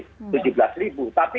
tapi kalau ada yang menghitung